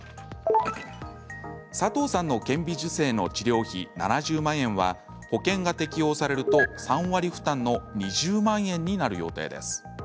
佐藤さんの顕微授精の治療費７０万円は保険が適用されると３割負担の２０万円になる予定です。